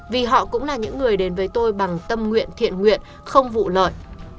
vì họ cũng là những người đến với tôi bằng tâm nguyện thiện nguyện không vụ lợi